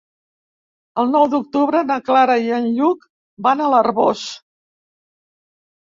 El nou d'octubre na Clara i en Lluc van a l'Arboç.